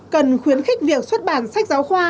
cần khuyến khích việc xuất bản sách giáo khoa